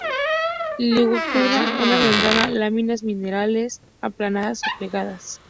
Lígula una membrana; láminas lineares, aplanadas o plegadas.